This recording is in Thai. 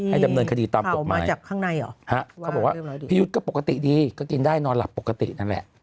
ให้ดำเนินคดีตามปรบหมายนะครับพี่ยุทธิ์ก็ปกติดีก็กินได้นอนหลับปกตินั่นแหละ